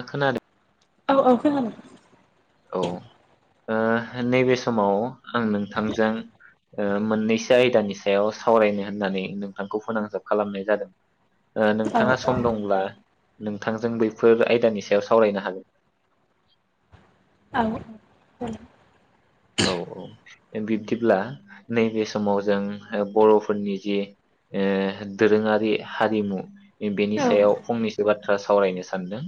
आखोनादों औ औ खोनादो। औ ओ नैबे समाव आं नोंथांजों ओ मोननैसो आयदानि सायाव सावरायनो होननानै नोंथांखौ फोनांजाब खालामनाय जादों। ओ औ नोंथाङा सम दंब्ला? नोंथांजों बैफोर आयदानि सायाव सावरायनो हागोन। औ औ जागोन। औ औ बिब्दिब्ला नैबे समाव जों ओ बर'फोरनि जि ओ दोरोङारि हारिमु बेनि सायाव फंनैसो बाथ्रा सावरायनो सानदों।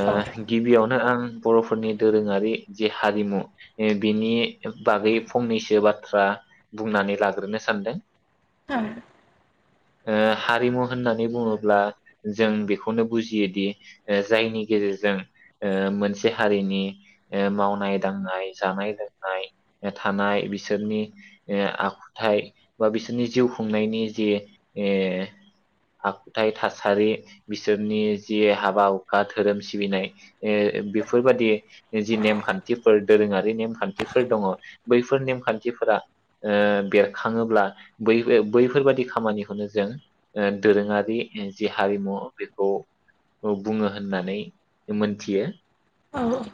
ओ औ गिबियावन नो आं बर'फोरनि दोरोङारि जे हारिमु बिनि बागै फंनैसो बाथ्रा बुंनानै लाग्रोनो सानदों हारिमु होननानै बुङोब्ला जों बेखौनो बुजियोदि जायनि गेजेरजों ओ मोनसे हारिनि मावनाय दांनाय जानाय लोंनाय थानाय बिसोरनि ओ आखुथायाइ बा बिसोरनि जिउ खुंनायनि जि ए आखुथाइ थासारि बिसोरनि जि हाबा हुखा धोरोम सिबिनाय ए बेफोरबादि जि नेमखान्थिफोर दोरोङा नेमखान्थिफोर दङ बैफोर नेमखान्थिफोरा ओ बेरखाङोब्ला बै-बैफोरबादि खामानिखौनो जों दोरोङारि जि हारिमु बेखौ बुङो होननानै मोनथियो। औ औ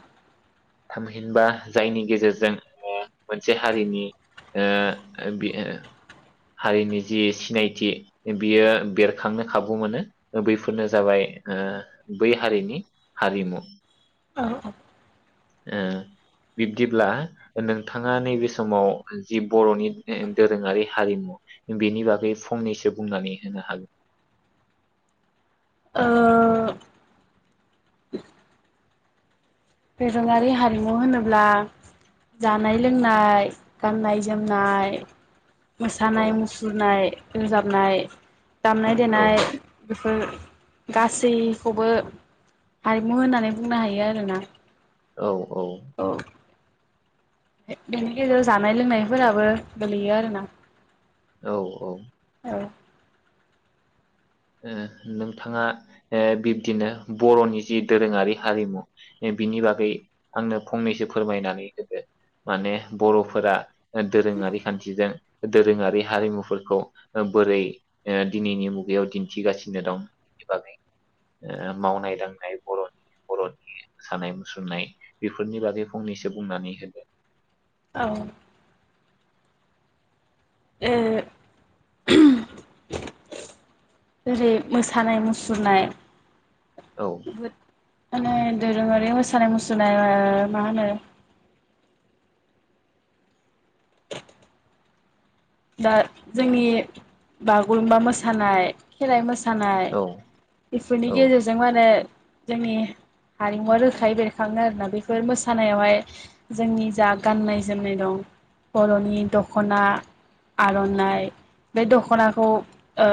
थामहिनबा जायनि गेजेरजों ओ मोनसे हारिनि ओ ओ हारिनि जि सिनायथि बियो बेरखांनो खाबु मोनो बैफोरनो जाबाय ओ बै हारिनि हारिमु औ औ ओ बिब्दिब्ला नोंथाङा नैबे समाव जि बर'नि दोरोङारि हारिमु बेनि बागै फंनैसो बुंनानै होनो हागो ओ दोरोङारि हारिमु होनोब्ला जानाय लोंनाय गाननाय जोमनाय औ मोसानाय मुसुरनाय रोजाबनाय दामनाय औ देनाय गासैखौबो हारिमु होननानै बुंनो हायो आरोना औ औ बेनि गेजेराव जानाय लोंनायफोराबो गोलैयो आरोना औ औ ओ ओ नोंथाङा ओ बिब्दिनो बर'नि जि दोरोङारि हारिमु बिनि बागै आंनो फंनैसो फोरमायनानै होदो माने बर'फोरा दोरोङारि खान्थिजों दोरोङारि हारिमुफोरखौ बोरै दिनैनि मुगायाव दि दिन्थिगासिनो दं बेनि बागै मावनाय दांनाय'नि बरनि मोसानाय मुसुरनाय बेफोरनि बागै फंनैसो बुंनानै होदो औ ओ जेरै मोसानाय मुसुरनाय औ माने दोरोङारि मोसानाय मुसुरनाय [unintelligible] मा होनो दा जोंनि बागुरुम्बा मोसानाय खेराइ मोसा मोसानाय औ बेफोरनि गेजेरजों माने जोंनि हारिमुवा रोखायै बेरखाङो आरोना बेफोर मोसानायावहाय जोंनि जा गाननाय जोमनाय दं बर'नि दखना आर'नाइ बे दख'नाखौ ओ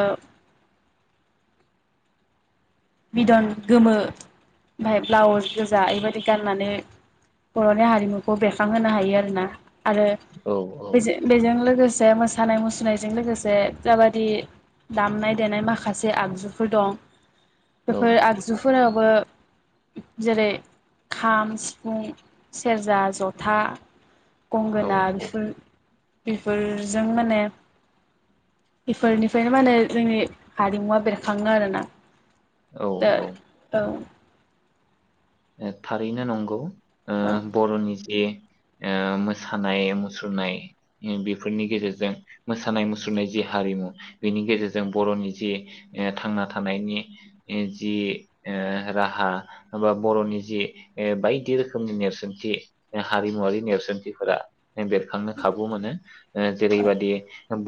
बिदन गोमो ओमफ्राय ब्लाउस गोजा बेबायाददि गाननानै बर'नि हारिमुखौ बेरखांहोनो हायो आरोना आरो औ बेजों बेजों लोगोसे बे मोसानाय मुसुरनायजों लोगोसे जा बादि दामनाय देनाय माखासे आगजुफोर दं औ बेफोर आगजुफोरा बो जेरै खाम सिफुं सेरजा जथा औ गंगोना बिफोर बेफोरजों माने बेफोरनिफ्रायनो माने जोंनि हारिमुवा बेरखाङो आरोना द औ औ औ ओ थारैनो नंगौ ओ औ बर'न जि जि ओ मोसानाय मुसुरनाय बेफोरनि गेजेरजों मोसानाय मुसुरनाय जि हारिमु बेनि गेजेरजों बरनि जि थांना थानायनि जि ओ राहा बा बर'नि जि बायदि रोखोमनि नेरसोनथि हारिमुवारि नेरसोनथिफोरा बेरखांनो खाबु मोनो ओ जेरैबादि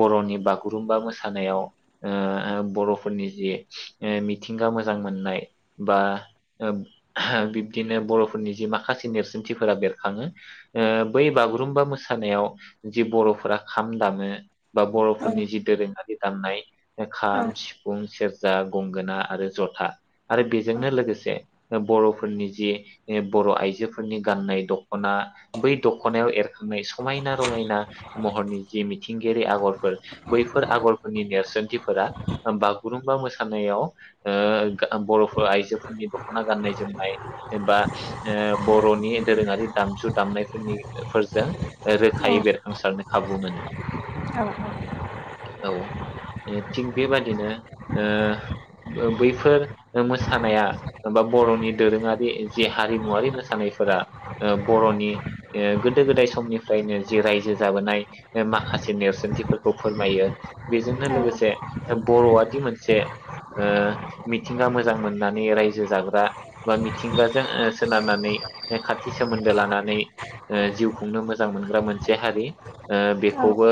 बर'नि बागुरुम्बा मोसानायाव ओ ओ बर'फोरनि जि मिथिंगा मोजां मोननाय बा ओ बिब्दिनो बर'फोरनि जि माखासे नेरसोनथिफोरा बेरखाङो ओ बै बागुरुमबा मोसानायाव जि बर'फोरा खाम दामो बा बर'फोरनि जि दोरोङारि गाननाय खाम, सिफुं, सेरज जा गंगोना आरो जथा आरो बेजोंनो लोगोसे बर'फोरनि जि बर' आइजोफोरनि गाननाय दखना बै दखनायाव एरखां नै समायना-रमायना महरनि जि मिथिंगायारि आगरफोर बैफोर आगरफोरनि नेरसोनथिफोरा बागुरुम बा मोसानायाव ओ गा बर'फोर आइजोफोरनि खना गाननाय-जोमनाय एबा ओ बर'नि दोरोङारि दामजु दामनायफोरनि फोरजों औ रोखायै बेरखांसारनो खाबु मोनो औ ओ थिग बेबादिनो ओ बो बैफोर मोसानाया बा बर'नि दोरोङारि जि हारिमुवरारि मोसानायफोरा ओ बर'नि ओ गोदो-गोदाय समनिफ्रायनो जि रायजो जाबोनाय ओ माखासे नेरसोनथिफोरखौ फोरमायो बेजोंनो लोगोसे बर'आदि मोनसे ओ मिथिंगा मोजां मोननानै रायजो‌ जो जाग्रा बा मिथिंगाजों ओ सोनारनानै खाथि सोमोन्दो लानानै ओ जिउ खुंनो मोजां मोनग्रा मोनसे हारि ओ औ बेखौबो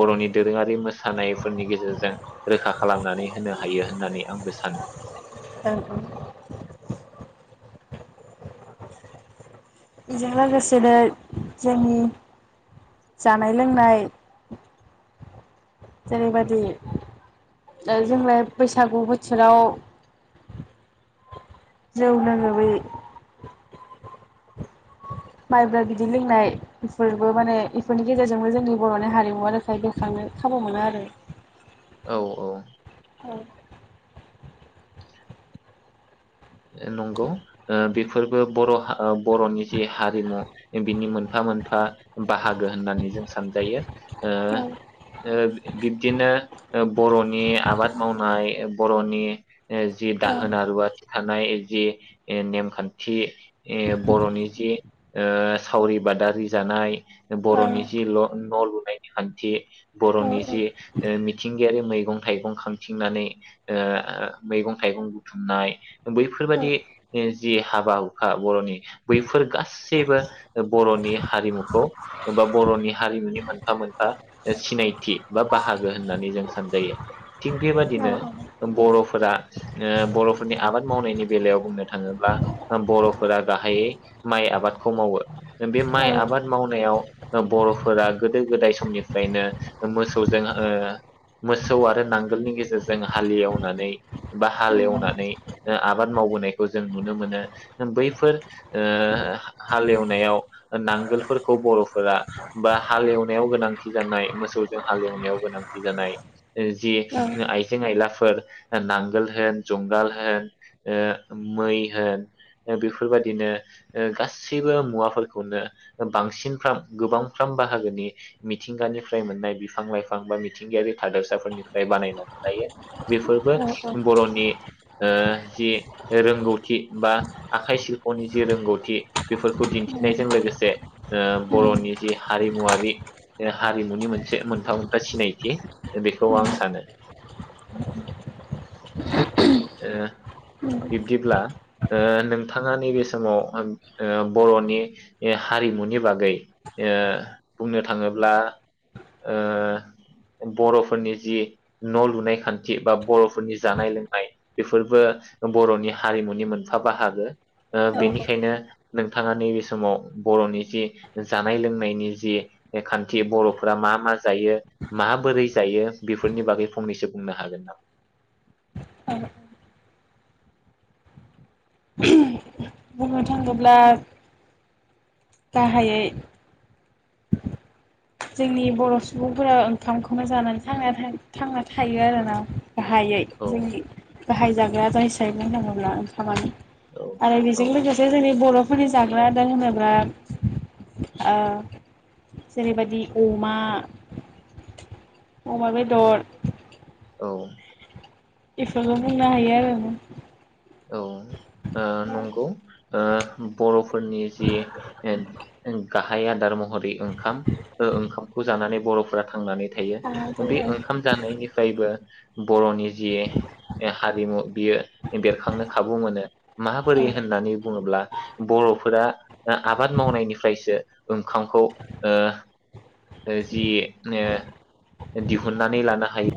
बर'नि दोरोङारि मोसानायफोरनि गेजेरजों रोखा खालामनानै होनो हायो होननानै आंबो सानो ओं उम बेजों लोगोसेनो जोंनि जानाय-लोंनाय जेरैबायदि ओ जोंलाय बैसागु बोथोराव जौ लोङो बै माइब्रा बिदै लोंनाय बेफोरबो माने इफोरनि गेजेरजोंनो जोंनि बर'नि हारिमुवा रोखाय बेरखांनो खाबु मोनो आरो औ औ नंगौ ओ बेफोरबो बर'हा बर'नि जि हारिमु बिनि मोनफा मोनफा बाहागो होननानै जों सानजायो ओ बिब्दिनो बर'नि आबाद मावनाय बर'नि जि दाहोना रुवाथि थानाय जि नेमखान्थि बर'नि जि ओ सावरि बादारि जानाय बर'नि जिल' न' लुनायनि खान्थि बर'नि जि ओ मिथिंगायारि मैगं-थाइगं खांथिंनानै ओ मैगं-थाइगं बुथुमनाय बैफोरबादि जि हाबा हुखा बर'नि बैफोर गासैबो बर'नि हारिमुखौ बा बर'नि हारिमुनि मोनफा मोनफा सिनायथि बा बाहागो होननानै जों सानजायो थिग बेबादिनो बर'फोरा ओ बर'फोरनि आबाद मावनायनि बेलायाव बुंनो थाङोब्ला बर'फोरा गाहायै माइ आबादखौ मावो। बे माइ आबाद मावनायाव बर'फोरा गोदो-गोदाय समनिफ्रायनो मोसौजों ओ मोसौ आरो नांगोलनि गेजेरजों हालेवनानै बा हाल एवनानै ओ आबाद मावबोनायखौ जों नुनो मोनो बैफोर ओ हालेवनायाव नांगोलफोरखौ बर'फोरा बा हालेवनायाव गोनांथि जानाय मोसौजों हालि एवनायाव गोनांथि जानाय जे आइजें आयला फोर नांगोल होन' जंगाल होन ओ मै होन ओ बेफोरबाददिनो ओ गासैबो मुवाफोरखौनो बांसिनफ्राम गोबांफ्राम बाहागोनि मिथिंगानिफ्राय मोननाय बिफां-लाइफां बा मिथिंगायारि थादोरसाफोरनिफ्राय बानायनानै लायो। बेफोरबो बर'नि ओ जि रोंगौथि बा आखाइ सिलफ'नि जि रोंगौथि बेफोरखौ दिन्थिनायजों लोगोसे ओ बर'नि जि हारिमुवारि हारिमुनि मोनसे मोनफा मोनफा सिनायथि, बेखौ आं सानो। ओ बिब्दिब्ला ओ नोंथाङा नैबे समाव ओ बर'नि हारिमुनि बागै ओ बुंनो थाङोब्ला ओ बर'फोरनि जि न' लुनाय खान्थि बा बर'फोरनि जानाय लोंनाय बेफोरबो बर'नि हारिमुनि मोनफा बाहागो। ओ बेनिखायनो नोंथाङा नैबे समाव बर'नि जि जानाय लोंनायनि जि बे खान्थि बर'फोरा मा मा जायो माबोरै जायो बेफोरनि बागै फंनैसो बुंनो हागोन नामा? ओम बुंनो थाङोब्ला गाहायै जोंनि बर' सुबुंफोरा ओंखामखौनो जानानै थांना था थांना थायो आरोना गाहायै औ जोंनि बाहाय जाग्रा [unintelligible] ओंखामानो। औ आरो बेजों औ लोगोसे जोंनि बर' फुंनि जाग्रा आदार होनोब्ला ओ जेरैबायदि अमा अमा बेदर औ। बेफोरल' बुंनो हायो आरो औ ओ नंगौ ओ बर'फोरनि जि ओ ओ गाहाय आदार महरै ओंखाम ओ ओंखामखौ जानानै बर'फोरा थांनानै थायो। ओ बे ओंखाम जानायनि फ्रायबो बर'नि जि ओ हारिमु बियो बेर खांनो खाबु मोनो। माबोरै होननानै बुङोब्ला बर'फोरा आ आबाद मावनायनिफ्रायसो ओंखामखौ ओ ओ जि ओ दिहुननानै लानो हायो।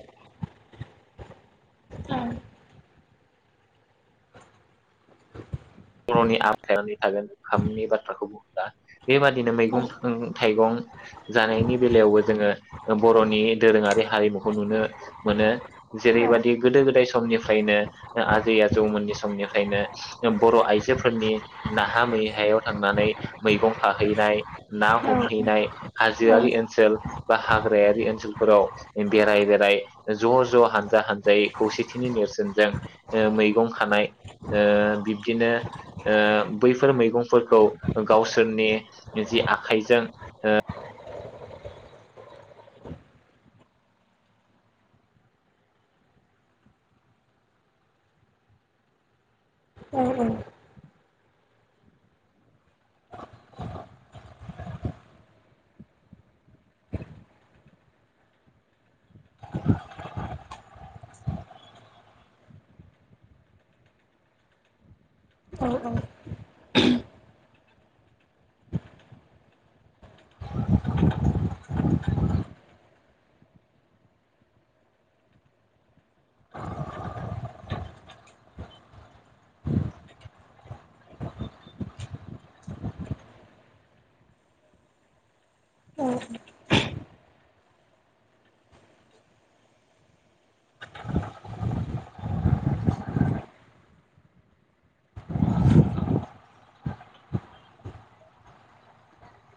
बर'नि [unintelligible] थागोन ओंखामनि बाथ्राखौ बुङोब्ला बेबादिनो औ मैगं थां थाइगं जानायनि बेलायावबो जोङो ओ बर'नि दोरोङारि हारिमुखौ नुनो मोनो जेरैबादि गोदो-गोदाय समनिफ्रायनो आजै आजौमोननि समनिफ्रायनो बर' आइजो जोफोरनि नाहा मैहायाव थांनानै मैगं खाहैनाय ना औ हमहैनाय हाजोआरि ओनसोल बा हाग्रायारि ओनसोलफोराव बेराय बेराय ज' ज' हानजा हानजायै खौसेथिनि नेरसोनजों ओ मैगं खानाय ओ बिब्दिनो ओ बैफोर मैगंफोरखौ गावसोरनि जि आखाइजों ओ औ औ। औ औ [unintelligible]